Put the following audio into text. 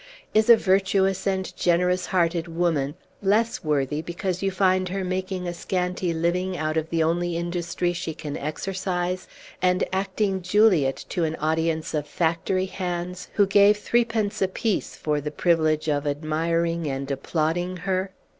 Is a virtuous and generous hearted woman less worthy because you find her making a scanty living out of the only industry she can exercise, and acting Juliet to an audience of factory hands, who gave threepence apiece for the privilege of admiring and applauding her?